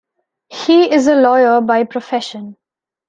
He is a lawyer by profession.